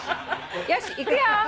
よしいくよ。